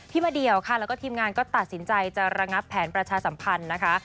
มาเดี่ยวค่ะแล้วก็ทีมงานก็ตัดสินใจจะระงับแผนประชาสัมพันธ์นะคะ